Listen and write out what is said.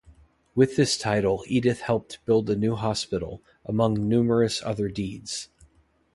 With this title Edith helped build a new hospital, among numerous other deeds.